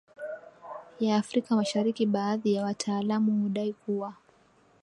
ya Afrikamashariki Baadhi ya wataalamu hudai kuwa